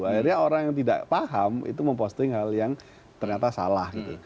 akhirnya orang yang tidak paham itu memposting hal yang ternyata salah